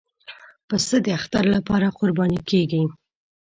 پسه د اختر لپاره قرباني کېږي.